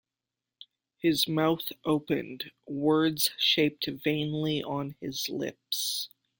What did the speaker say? His mouth opened; words shaped vainly on his lips.